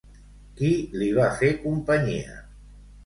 Qui li va fer companyia?